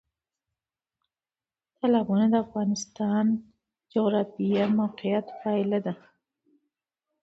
تالابونه د افغانستان د جغرافیایي موقیعت پایله ده.